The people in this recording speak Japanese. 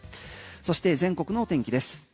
そして全国のお天気です。